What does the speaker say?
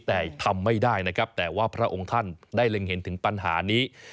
แต่ทำไม่ได้นะครับแต่ว่าพระองค์ท่านได้เล็งเห็นถึงปัญหานี้